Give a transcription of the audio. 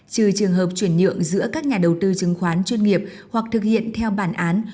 trừ trường hợp chuyển nhượng giữa các nhà đầu tư chứng khoán chuyên nghiệp hoặc thực hiện theo bản án